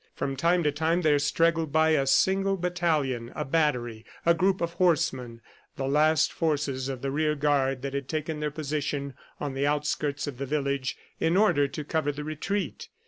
From time to time there straggled by a single battalion, a battery, a group of horsemen the last forces of the rear guard that had taken their position on the outskirts of the village in order to cover the retreat.